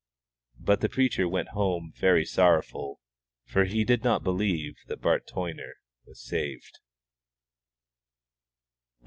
But the preacher went home very sorrowful, for he did not believe that Bart Toyner was saved.